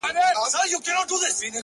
o تک سپين کالي کړيدي؛